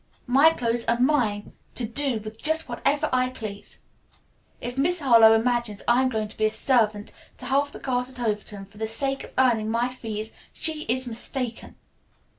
My clothes are mine to do with just whatever I please. If Miss Harlowe imagines I am going to be a servant to half the girls at Overton for the sake of earning my fees she is mistaken.